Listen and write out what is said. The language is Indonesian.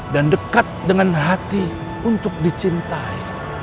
dan dekat dengan hati untuk dicintai